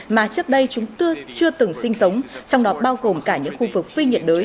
mà trước đây chúng từng sinh sống trong đó bao gồm cả những khu vực phi nhiệt đới